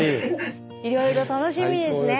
いろいろ楽しみですね。